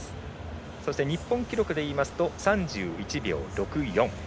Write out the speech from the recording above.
そして日本記録でいいますと３１秒６４。